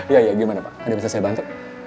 ya ya gimana pak ada bisa saya bantu